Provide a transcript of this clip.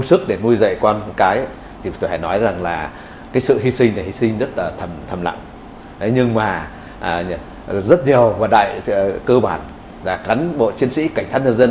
được luyện rèn từ những cam go thử thách